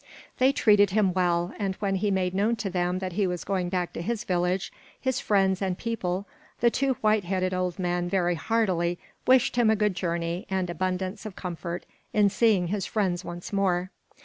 They treated him well, and when he made known to them that he was going back to his village, his friends and people, the two white headed old men very heartily wished him a good journey and abundance of comfort in seeing his friends once more.